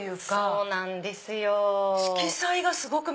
そうなんですよ。